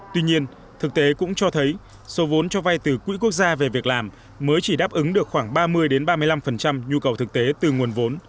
tuy nhiên thực tế cũng cho thấy số vốn cho vay từ quỹ quốc gia về việc làm mới chỉ đáp ứng được khoảng ba mươi ba mươi năm nhu cầu thực tế từ nguồn vốn